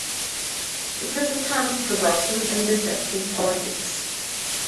It was a time of corruption and deceitful politics.